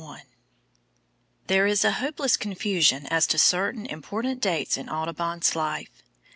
I. There is a hopeless confusion as to certain important dates in Audubon's life.